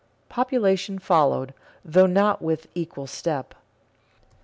Population followed, though not with equal step.